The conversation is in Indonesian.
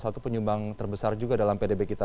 dan ini adalah faktor besar juga dalam pdb kita